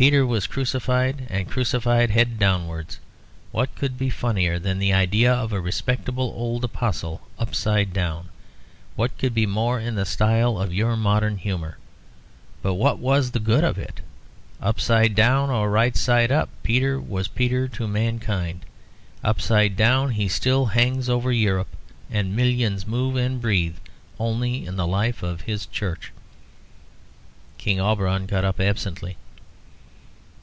Peter was crucified, and crucified head downwards. What could be funnier than the idea of a respectable old Apostle upside down? What could be more in the style of your modern humour? But what was the good of it? Upside down or right side up, Peter was Peter to mankind. Upside down he stills hangs over Europe, and millions move and breathe only in the life of his Church." King Auberon got up absently.